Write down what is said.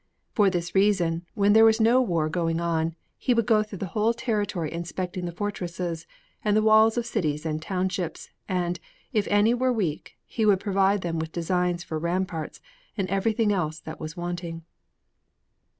For this reason, when there was no war going on, he would go through the whole territory inspecting the fortresses and the walls of cities and townships, and, if any were weak, he would provide them with designs for ramparts and everything else that was wanting.